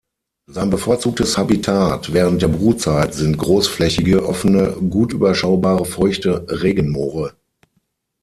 Sein bevorzugtes Habitat während der Brutzeit sind großflächige, offene, gut überschaubare feuchte Regenmoore.